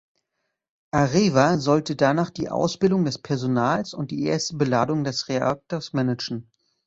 Areva sollte danach die Ausbildung des Personals und die erste Beladung des Reaktors managen.